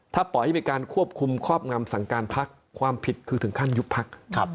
ถ้าปล่อยให้มีการควบคุมครอบงำสั่งการพักความผิดคือถึงขั้นยุบพัก